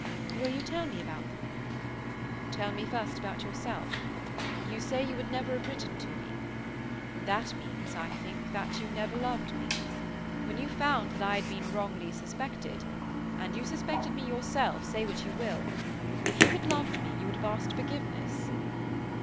"Will you tell me about them?" "Tell me first about yourself. You say you would never have written to me. That means, I think, that you never loved me. When you found that I had been wrongly suspected—and you suspected me yourself, say what you will—if you had loved me, you would have asked forgiveness."